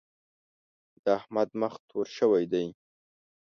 د احمد مخ تور شوی دی.